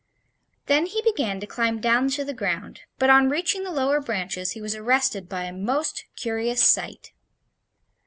Then he began to climb down to the ground, but on reaching the lower branches he was arrested by a most curious sight.